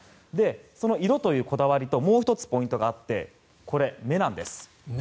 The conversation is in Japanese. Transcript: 色というこだわりともう１つポイントがあってこれ、目なんです。